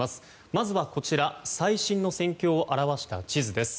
まずは、最新の戦況を表した地図です。